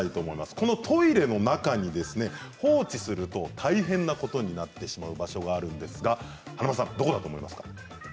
このトイレの中に放置すると大変なことになってしまう場所があるんですがどこだと思いますか？